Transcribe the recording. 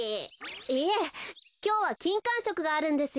いえきょうはきんかんしょくがあるんですよ。